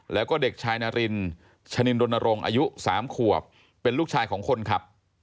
แล้วก็เด็กชายนารินชะนินดรณรงค์อายุ๓ขวบเป็นลูกชายของคนขับ